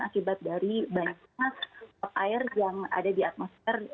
akibat dari banyak air yang ada di atmosfer